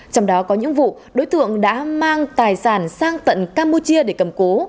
trong đó có những vụ đối tượng đã mang tài sản sang tận campuchia để cầm cố